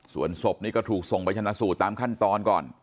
ส่วนศพนี้ก็ถูกส่งไปชนะสูตรตามขั้นตอนก่อน